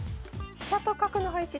飛車と角の配置